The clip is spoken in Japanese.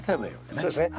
そうですね。